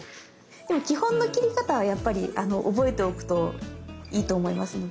でも基本の切り方はやっぱり覚えておくといいと思いますので。